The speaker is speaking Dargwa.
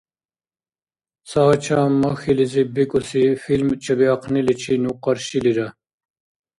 «Цагьачам махьилизиб» бикӀуси фильм чебиахъниличи ну къаршилира.